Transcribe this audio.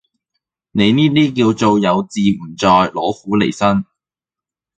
你呢啲叫做「有自唔在，攞苦嚟辛」